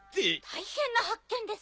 大変な発見です！